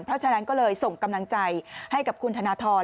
เพราะฉะนั้นก็เลยส่งกำลังใจให้กับคุณธนทร